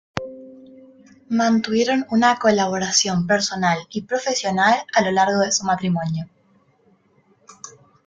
Mantuvieron una colaboración personal y profesional a lo largo de su matrimonio.